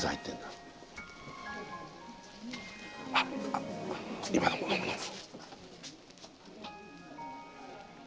あっ今飲む飲む。